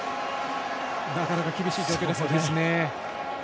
なかなか厳しい状況ですね。